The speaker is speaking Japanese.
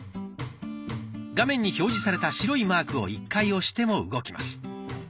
画面に表示された白いマークを１回押しても動きます。